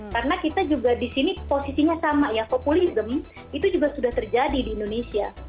karena kita juga di sini posisinya sama ya populisme itu juga sudah terjadi di indonesia